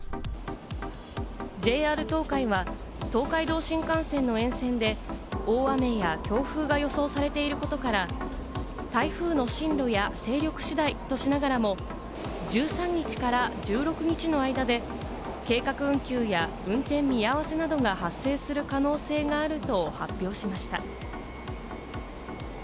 ＪＲ東海は東海道新幹線の沿線で大雨や強風が予想されていることから、台風の進路や勢力次第としながらも、１３日から１６日の間で計画運休や運転見合わせなどが発生する可能性があると発表しました。